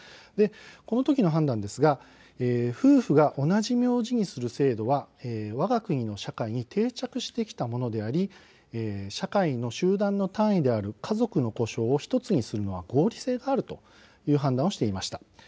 このときの判断ですが夫婦が同じ名字にする制度はわが国の社会に定着してきたものであり社会の集団の単位である家族の呼称を１つにするのは合理性があるという判断をしていました。